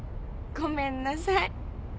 ごめんなさい。